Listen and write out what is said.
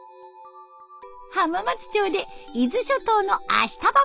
浜松町で伊豆諸島のあしたば。